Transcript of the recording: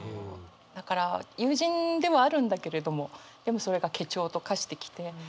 だから友人ではあるんだけれどもでもそれが怪鳥と化してきて。